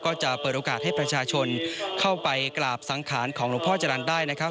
ก็จะเปิดโอกาสให้ประชาชนเข้าไปกราบสังขารของหลวงพ่อจรรย์ได้นะครับ